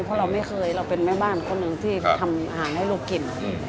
เพราะเราไม่เคยเราเป็นแม่บ้านคนหนึ่งที่ทำอาหารให้ลูกกิน